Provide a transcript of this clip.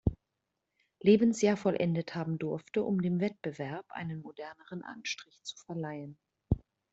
Lebensjahr vollendet haben durfte, um dem Wettbewerb einen moderneren Anstrich zu verleihen.